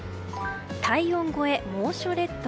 体温超え、猛暑列島。